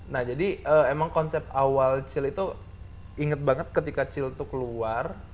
nah jadi emang konsep awal chill itu inget banget ketika chill itu keluar